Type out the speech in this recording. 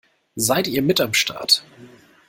Seid ihr mit am Start?